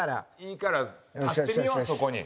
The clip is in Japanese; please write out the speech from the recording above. いいから立ってみようそこに。